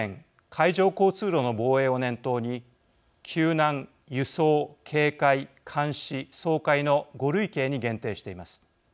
海上交通路の防衛を念頭に「救難」「輸送」「警戒」「監視」「掃海」の５類型に限定しています。